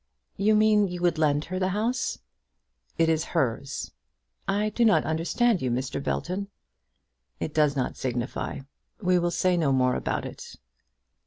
"You mean you would lend her the house?" "It is hers." "I do not understand you, Mr. Belton." "It does not signify; we will say no more about it."